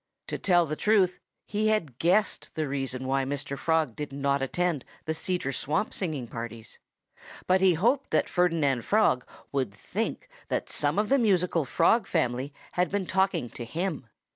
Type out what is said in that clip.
To tell the truth, he had guessed the reason why Mr. Frog did not attend the Cedar Swamp singing parties. But he hoped that Ferdinand Frog would think that some of the musical Frog family had been talking to him.